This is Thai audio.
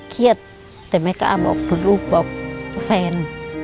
เครียดแต่ไม่กล้าบอกคุณลูกบอกแฟน